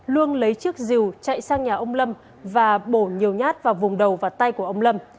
luông lấy chiếc dìu chạy sang nhà ông lâm và đổ nhiều nhát vào vùng đầu và tay của ông lâm